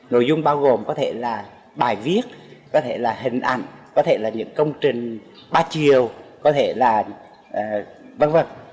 nội dung bao gồm có thể là bài viết có thể là hình ảnh có thể là những công trình ba chiều có thể là v v